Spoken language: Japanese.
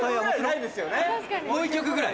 もう１曲ぐらい？